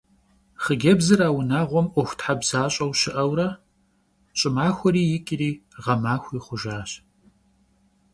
Xhıcebzır a vunağuem 'Uexuthebzaş'eu şı'eure ş'ımaxueri yiç'ri ğemaxui xhujjaş.